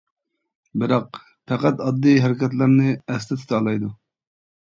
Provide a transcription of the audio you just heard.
بىراق پەقەت ئاددىي ھەرىكەتلەرنى ئەستە تۇتالايدۇ.